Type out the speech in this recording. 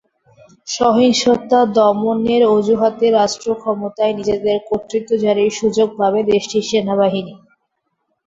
সহিংসতা দমনের অজুহাতে রাষ্ট্রক্ষমতায় নিজেদের কর্তৃত্ব জারির সুযোগ পাবে দেশটির সেনাবাহিনী।